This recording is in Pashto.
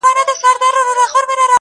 پل مي سم دی را اخیستی نښانه هغسي نه ده -